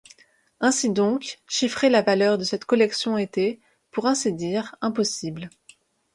Ainsi donc, chiffrer la valeur de cette collection était, pour ainsi dire, impossible.